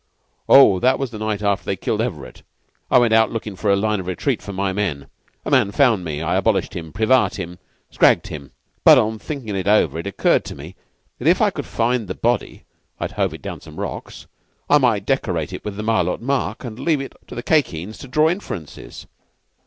"'Oh, that was the night after they killed Everett, and I went out lookin' for a line of retreat for my men. A man found me. I abolished him privatim scragged him. But on thinkin' it over it occurred to me that if I could find the body (I'd hove it down some rocks) I might decorate it with the Malôt mark and leave it to the Khye Kheens to draw inferences.